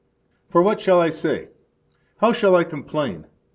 4 For what shall I say? How shall I complain?